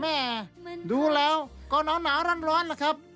แม่ดูแล้วก็หนาวร้อนล่ะครับ